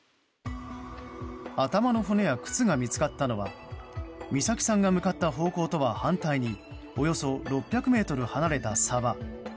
頭の骨や靴が見つかったのは美咲さんが向かった方向とは反対におよそ６００ｍ離れた沢。